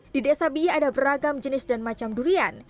di desa bii ada beragam jenis dan macam durian